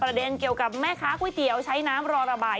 เด็นเกี่ยวกับแม่ค้าก๋วยเตี๋ยวใช้น้ำรอระบาย